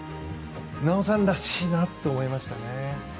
奈緒さんらしいなと思いましたね。